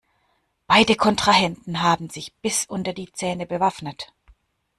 Beide Kontrahenten haben sich bis unter die Zähne bewaffnet.